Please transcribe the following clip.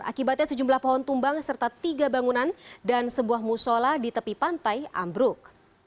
akibatnya sejumlah pohon tumbang serta tiga bangunan dan sebuah musola di tepi pantai ambruk